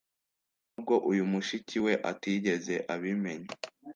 nubwo uyu mushiki we atigeze abimenya